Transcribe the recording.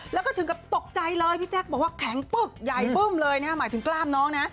แล้วก็ถึงกับตกใจเลยพี่แจ๊คบอกว่าแข็งปึ๊กใหญ่บึ้มเลยนะหมายถึงกล้ามน้องนะ